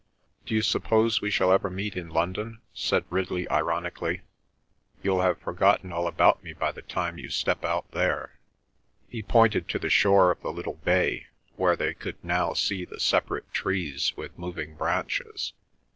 "D'you suppose we shall ever meet in London?" said Ridley ironically. "You'll have forgotten all about me by the time you step out there." He pointed to the shore of the little bay, where they could now see the separate trees with moving branches.